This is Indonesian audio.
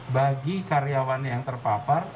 bagi karyawan yang terpapar